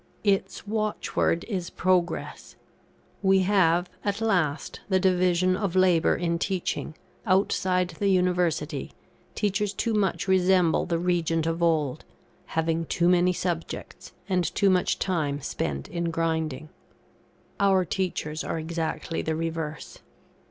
Its watchword is Progress. We have, at last, the division of labour in teaching; outside the University, teachers too much resemble the Regent of old having too many subjects, and too much time spent in grinding. Our teachers are exactly the reverse.